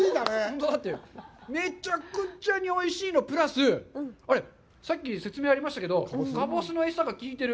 めちゃくちゃにおいしいのプラス、さっき説明ありましたけど、かぼすの餌がきいてる。